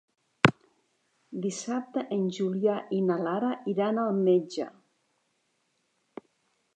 Dissabte en Julià i na Lara iran al metge.